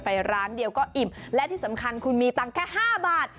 ร้านเดียวก็อิ่มและที่สำคัญคุณมีตังค์แค่๕บาท